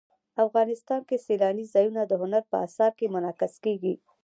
افغانستان کې سیلانی ځایونه د هنر په اثار کې منعکس کېږي.